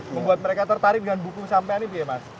membuat mereka tertarik dengan buku sampai ini gitu ya mas